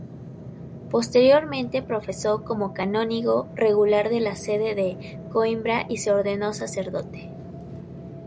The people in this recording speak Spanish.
Posteriormente, profesó como canónigo regular de la Sede de Coimbra y se ordenó sacerdote.